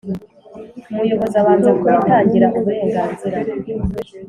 Umuyobozi abanza kubitangira uburenganzira